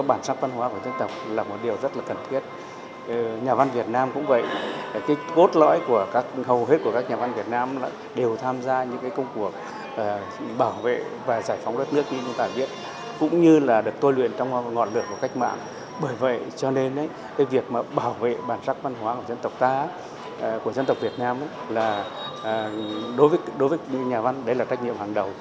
bởi vậy cho nên việc bảo vệ bản sắc văn hóa của dân tộc việt nam đối với nhà văn là trách nhiệm hàng đầu